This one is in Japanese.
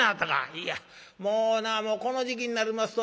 「いやもうこの時期になりますとね